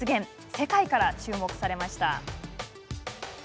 世界から注目されました。